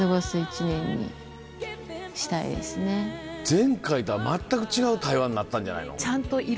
前回とは全く違う台湾になったんじゃないの？